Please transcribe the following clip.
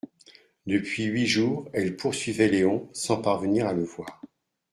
Depuis huit jours, elle poursuivait Léon, sans parvenir à le voir.